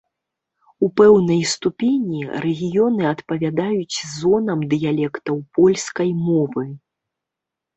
У пэўнай ступені, рэгіёны адпавядаюць зонам дыялектаў польскай мовы.